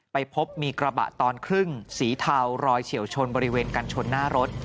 ไปพบมีกระบะตอนครึ่งสีเทารอยเฉียวชนบริเวณกันชนหน้ารถ